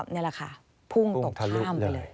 พุ่งตกข้ามไปเลย